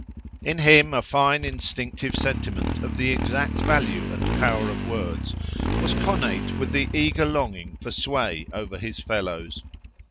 In him, a fine instinctive sentiment of the exact value and power of words was connate with the eager longing for sway over his fellows.